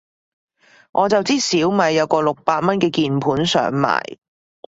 我就知小米有個六百蚊嘅鍵盤想買